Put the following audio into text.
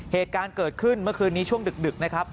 เหตุการณ์เกิดขึ้นเมื่อคืนนี้ช่วงดึกนะครับ